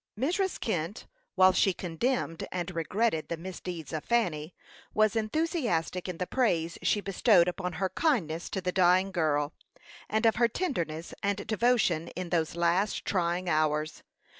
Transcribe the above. Mrs. Kent, while she condemned and regretted the misdeeds of Fanny, was enthusiastic in the praise she bestowed upon her kindness to the dying girl, and of her tenderness and devotion in those last trying hours.